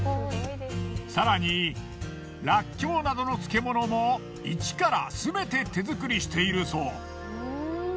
更にらっきょうなどの漬物も一からすべて手作りしているそう。